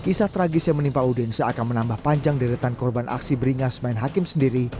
kisah tragis yang menimpa udin seakan menambah panjang deretan korban aksi beringas main hakim sendiri